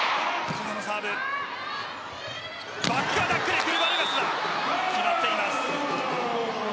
バックアタックでくるバルガス決まっています。